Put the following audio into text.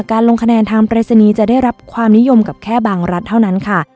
ลงคะแนนทางปรายศนีย์จะได้รับความนิยมกับแค่บางรัฐเท่านั้นค่ะ